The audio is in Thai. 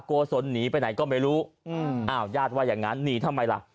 โกศลหนีไปไหนก็ไม่รู้อ้าวญาติว่าอย่างนั้นหนีทำไมล่ะ